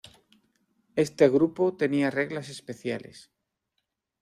Este grupo tenía reglas especiales.